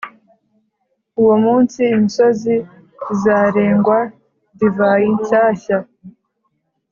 Uwo munsi, imisozi izarengwa divayi nshyashya,